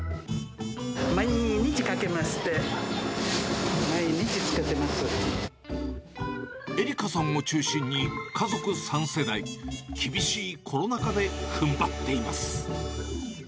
毎日かき回して、毎日つけて絵里香さんを中心に、家族３世代、厳しいコロナ禍でふんばっています。